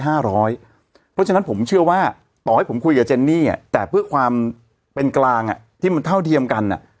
เพราะฉะนั้นผมเชื่อว่าต่อให้ผมคุยกับเจนนี่แต่เพื่อความเป็นกลางที่มันเท่าเทียมกัน